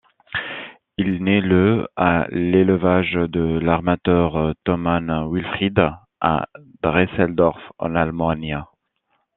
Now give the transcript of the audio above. Il naît le à l'élevage de l'armateur Thomann Wilfried, à Drelsdorf en Allemagne.